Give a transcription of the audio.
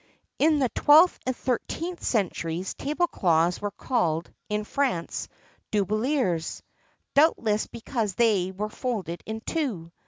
In the 12th and 13th centuries table cloths were called, in France, doubliers, doubtless because they were folded in two.